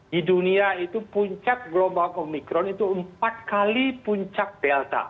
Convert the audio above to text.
di dunia itu puncak gelombang omikron itu empat kali puncak delta